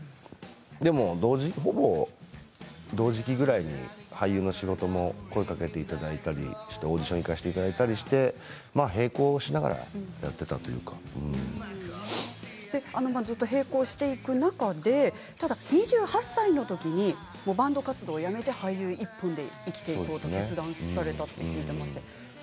でも、ほぼ同時期ぐらいに俳優のお仕事も声かけていただいてオーディションに行かせていただいたりして並行していく中で２８歳のときにバンド活動を辞めて俳優１本で行こうと決断されたと聞きました。